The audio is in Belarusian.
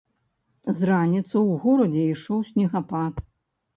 З раніцы ў горадзе ішоў снегапад.